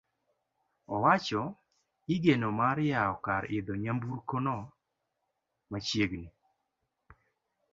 Owacho igeno mar yawo kar idho nyaburkono machiegni.